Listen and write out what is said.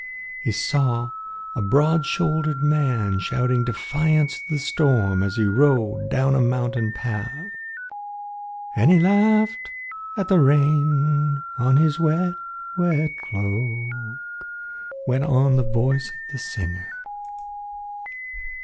He saw a broad shouldered man shouting defiance to the storm as he rode down a mountain path. "And he laughed at the rain on his wet, wet cloak," went on the voice of the singer.